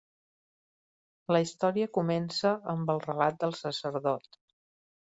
La història comença amb el relat del sacerdot.